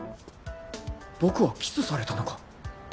僕はキスされたのか